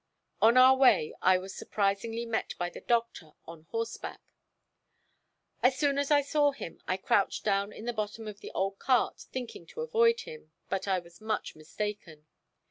On our way I was surprisingly met by the Doctor on horseback. As soon as I saw him I crouched down in the bottom of the old cart thinking to avoid him, but I was much mistaken.